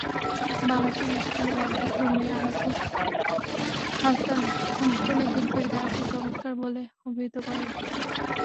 বাংলাদেশ স্কুলের অধ্যক্ষ মীর আনিসুল হাসান অনুষ্ঠানে শিল্পীর গায়কি চমৎকার বলে অভিহিত করেন।